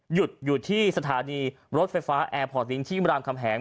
หยุดอยู่ที่สถานีรถไฟฟ้าแอร์พอร์ตลิงค์ที่รามคำแหง